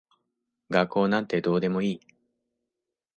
学校なんてどうでもいい。